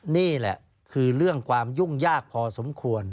นี่แหละคือเรื่องความยุ่งยากพอสมควร